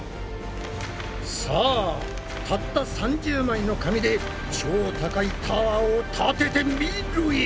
さあたった３０枚の紙で超高いタワーを立ててみろや！